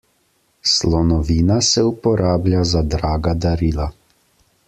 Slonovina se uporablja za draga darila.